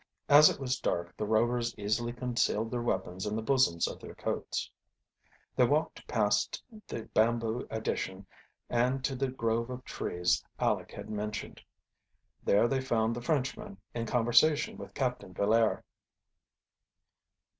As it was dark the Rovers easily concealed their weapons in the bosoms of their coats. They walked past the bamboo addition and to the grove of trees Aleck had mentioned. There they found the Frenchman in conversation with Captain Villaire.